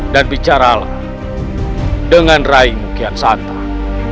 dan bicaralah dengan raik mukiat santang